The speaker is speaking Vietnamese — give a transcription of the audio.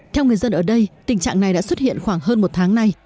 theo người dân ở đây tình trạng này đã xuất hiện khoảng hơn một tháng nay